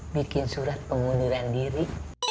bikin surat pengunduran diri